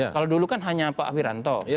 kalau dulu kan hanya pak wiranto